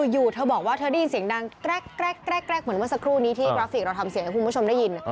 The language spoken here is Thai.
อยู่เธอบอกว่าเธอได้ยินเสียงดังแกรกเหมือนเมื่อสักครู่นี้ที่กราฟิกเราทำเสียงให้คุณผู้ชมได้ยิน